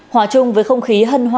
hòa chung với không khí hân hoa